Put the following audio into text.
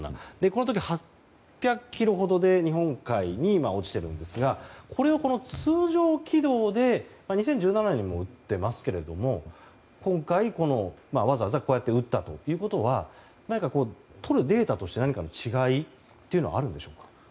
この時、８００ｋｍほどで日本海に落ちていますがこれは、通常軌道で２０１７年にも撃っていますが今回、わざわざこうやって撃ったということは何か、取るデータとして違いはあるんでしょうか。